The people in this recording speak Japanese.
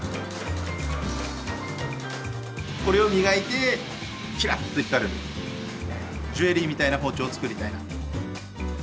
これを磨いてキラッと光るジュエリーみたいな包丁を作りたいなと。